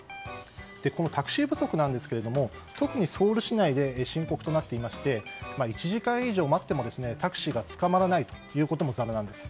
このタクシー不足なんですけど特にソウル市内で深刻となっていまして１時間以上待ってもタクシーがつかまらないこともざらなんです。